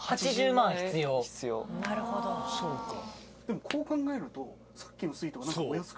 でもこう考えると。